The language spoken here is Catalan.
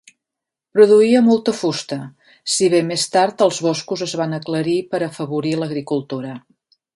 Produïa molta fusta, si bé més tard els boscos es van aclarir per afavorir l'agricultura.